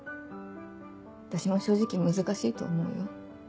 私も正直難しいと思うよ。